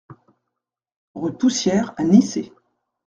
Rue Poussière à Nicey